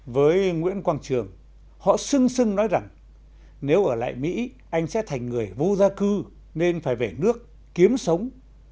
với nguyễn quang trường họ xưng xưng nói rằng nếu ở lại mỹ anh sẽ thành người vô gia cư nên phải về nước kiếm sống